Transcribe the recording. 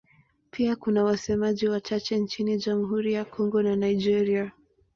Pia kuna wasemaji wachache nchini Jamhuri ya Kongo na Nigeria.